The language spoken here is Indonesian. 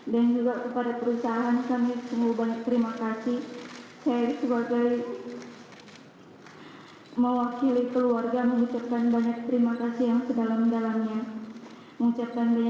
dan bekerjasama dengan banyak pihak termasuk dengan pemerintah diri pindah